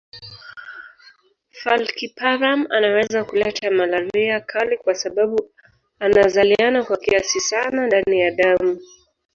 Falciparum anaweza kuleta malaria kali kwa sababu anazaliana kwa kasi sana ndani ya damu